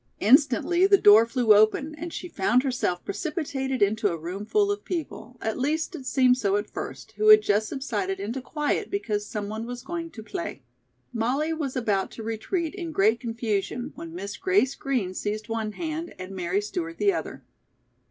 Instantly the door flew open and she found herself precipitated into a roomful of people, at least it seemed so at first, who had just subsided into quiet because some one was going to play. Molly was about to retreat in great confusion when Miss Grace Green seized one hand and Mary Stewart the other.